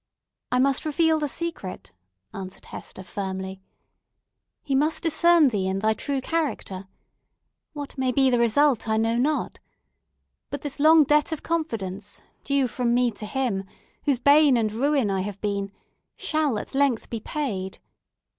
"I must reveal the secret," answered Hester, firmly. "He must discern thee in thy true character. What may be the result I know not. But this long debt of confidence, due from me to him, whose bane and ruin I have been, shall at length be paid.